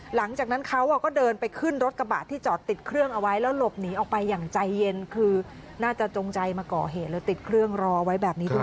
หลังจากนั้นเขาก็เดินไปขึ้นรถกระบะที่จอดติดเครื่องเอาไว้แล้วหลบหนีออกไปอย่างใจเย็นคือน่าจะจงใจมาก่อเหตุแล้วติดเครื่องรอไว้แบบนี้ด้วย